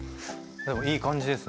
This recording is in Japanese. でもいい感じですね。